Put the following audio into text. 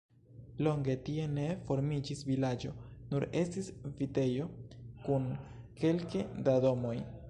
Longe tie ne formiĝis vilaĝo, nur estis vitejo kun kelke da domoj.